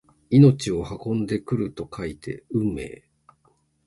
命を運んでくると書いて運命！